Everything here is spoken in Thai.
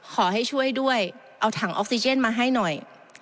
ขอให้ช่วยด้วยเอาถังออกซิเจนมาให้หน่อย